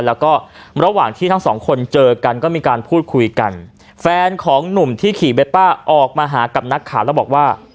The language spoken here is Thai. แล้วก็ระหว่างที่ทั้งสองคนเจอกันก็มีการพูดคุยกันแฟนของหนุ่มที่ขี่เบตป้าออกมาหากับนักข่าวแล้วบอกว่า